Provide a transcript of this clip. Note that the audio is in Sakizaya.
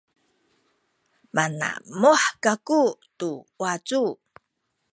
manamuh kaku tu wacu